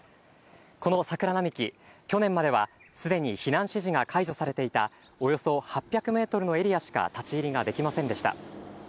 この桜並木、去年まではすでに避難指示が解除されていた、およそ８００メートルのエリアしか立ち入りができませんでした。